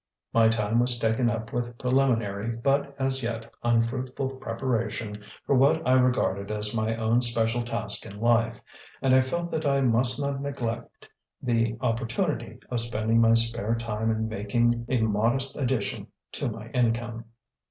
My time was taken up with preliminary but as yet unfruitful preparation for what I regarded as my own special task in life, and I felt that I must not neglect the opportunity of spending my spare time in making a modest addition to my income.